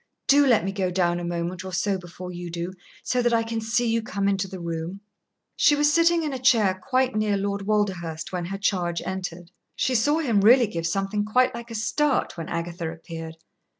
"Do let me go down a moment or so before you do, so that I can see you come into the room." She was sitting in a chair quite near Lord Walderhurst when her charge entered. She saw him really give something quite like a start when Agatha appeared.